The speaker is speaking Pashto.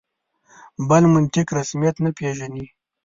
بل منطق رسمیت نه پېژني.